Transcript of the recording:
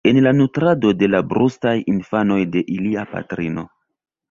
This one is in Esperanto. en la nutrado de la brustaj infanoj de ilia patrino.